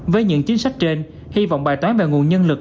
với những chính sách trên hy vọng bài toán về nguồn nhân lực